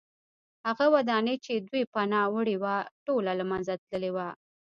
هغه ودانۍ چې دوی پناه وړې وه ټوله له منځه تللې وه